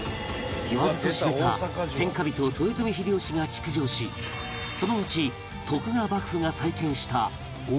言わずと知れた天下人豊臣秀吉が築城しそののち徳川幕府が再建した大阪城